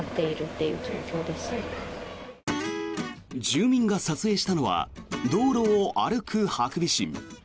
住民が撮影したのは道路を歩くハクビシン。